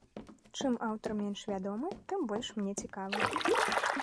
Чым аўтар менш вядомы, тым больш мне цікавы.